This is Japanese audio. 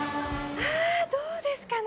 あどうですかね